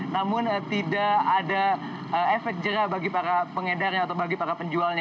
namun tidak ada efek jerah bagi para pengedarnya atau bagi para penjualnya